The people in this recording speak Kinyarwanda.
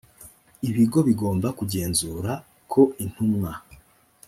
ibigo bigomba kugenzura ko intumwa